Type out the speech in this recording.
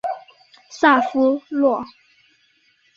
萨夫洛。